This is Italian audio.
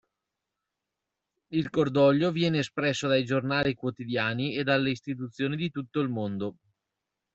Il cordoglio viene espresso dai giornali quotidiani e dalle istituzioni di tutto il mondo.